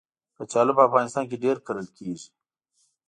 کچالو په افغانستان کې ډېر کرل کېږي